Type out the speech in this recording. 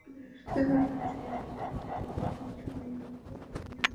বৃহস্পতিবার রাতেও নগরের দক্ষিণ সুরমা এলাকার বিভিন্ন মেসে তল্লাশি চালায় পুলিশ।